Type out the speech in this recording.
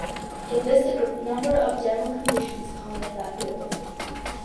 It lists a number of general conditions common in that period.